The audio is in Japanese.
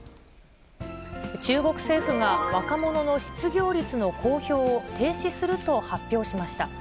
中国政府が若者の失業率の公表を停止すると発表しました。